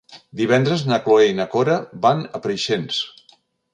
Divendres na Cloè i na Cora van a Preixens.